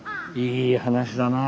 いい話だなあ。